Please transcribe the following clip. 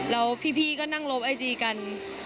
แล้วพี่ก็นั่งลบไอจีกัน